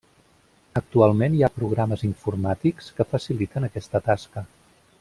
Actualment hi ha programes informàtics que faciliten aquesta tasca.